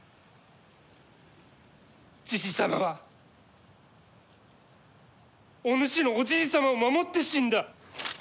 じじ様はお主のおじい様を守って死んだ。